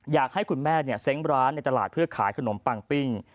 อยากให้คุณแม่เซ้งร้านในตลาดเพื่อขายขนมปังปิ้ง